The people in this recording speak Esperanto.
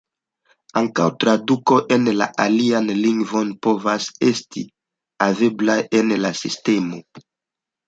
Ankaŭ tradukoj en la aliajn lingvojn povas esti haveblaj en la sistemo.